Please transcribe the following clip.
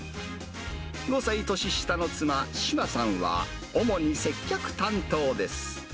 ５歳年下の妻、志麻さんは、主に接客担当です。